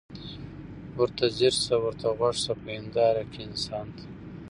ورته ځیر سه ورته غوږ سه په هینداره کي انسان ته